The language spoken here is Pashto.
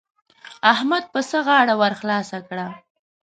احمد پسه غاړه ور خلاصه کړه.